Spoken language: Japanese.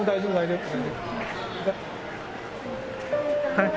はい。